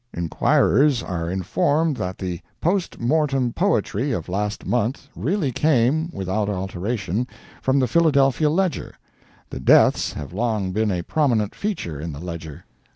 Inquirers are informed that the "Post mortem Poetry" of last month really came, without alteration, from the Philadelphia "Ledger." The "Deaths" have long been a prominent feature in the "Ledger."